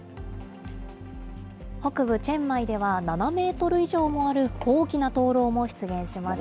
北部チェンマイでは７メートル以上もある大きな灯籠も出現しまし